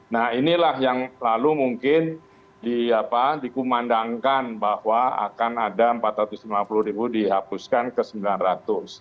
nah inilah yang lalu mungkin dikumandangkan bahwa akan ada rp empat ratus lima puluh ribu dihapuskan ke rp sembilan ratus